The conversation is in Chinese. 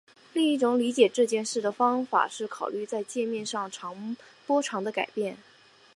另一种理解这件事的方法是考虑在界面上波长的改变。